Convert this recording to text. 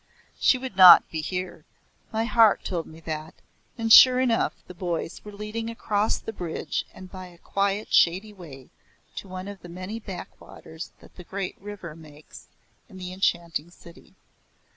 She would not be here. My heart told me that, and sure enough the boys were leading across the bridge and by a quiet shady way to one of the many backwaters that the great river makes in the enchanting city.